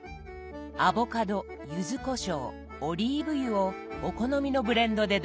アボカドゆずこしょうオリーブ油をお好みのブレンドでどうぞ。